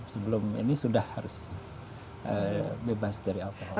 sebelum ini sudah harus bebas dari alkohol